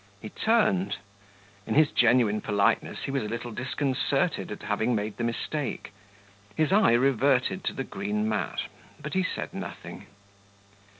He turned; in his genuine politeness he was a little disconcerted at having made the mistake; his eye reverted to the green mat, but he said nothing.